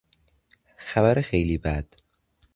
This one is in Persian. خبر خیلی بد